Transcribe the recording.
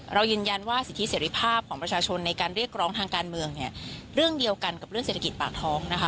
เรายืนยันว่าสิทธิเสรีภาพของประชาชนในการเรียกร้องทางการเมืองเนี่ยเรื่องเดียวกันกับเรื่องเศรษฐกิจปากท้องนะคะ